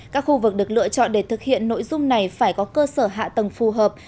các khu vực được lựa chọn để thực hiện nội dung này phải có cơ sở hạ tầng phù hợp